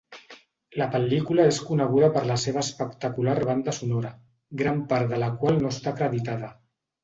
La pel·lícula és coneguda per la seva espectacular banda sonora, gran part de la qual no està acreditada.